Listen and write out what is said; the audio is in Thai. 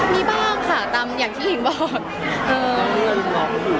มีบ้างค่ะตามอย่างที่ลิงบอก